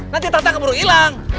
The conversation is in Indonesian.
nanti tatang keburu hilang